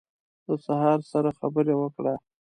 د سهار سره خبرې وکړه